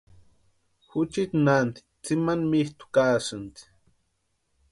Juchiti naanti tsimani mitʼu kaasïnti.